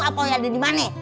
apa yang ada dimana